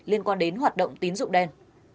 liên quan đến hoạt động tín dụng đen